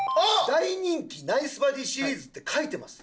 「大人気ナイスバディシリーズ」って書いてます。